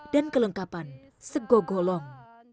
dan kelengkapan segogolong